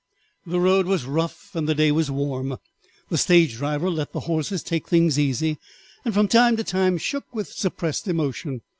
The road was rough and the day was warm. The stage driver let the horses take things easy, and from time to time shook with suppressed emotion.